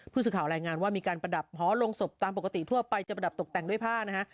ผู้สื่อข่าวรายงานว่ามีการประดับหอลงศพตามปกติทั่วไปจะประดับตกแต่งด้วยผ้านะฮะ